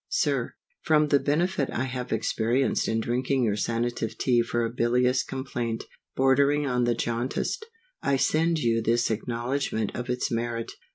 SIR, FROM the benefit I have experienced in drinking your Sanative Tea for a bilious complaint, bordering on the jaundice, I send you this acknowledgment of its merit.